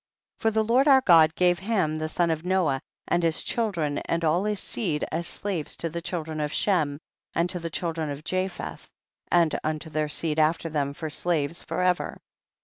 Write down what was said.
35. For the Lord our God gave Ham the son of Noah, and his child ren and all his seed, as slaves to the children of Shem and to the children of Japheth, and unto their seed after them for slaves, forever.